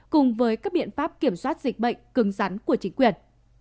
cùng với các biện pháp kiểm soát dịch bệnh cưng rắn của chính quyền